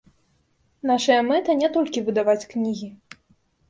Нашая мэта не толькі выдаваць кнігі.